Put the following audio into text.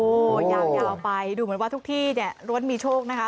อย่างยาวไปดูเหมือนว่าทุกที่รวดมีโชคนะฮะ